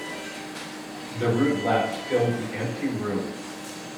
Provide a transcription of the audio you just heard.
The rude laugh filled the empty room.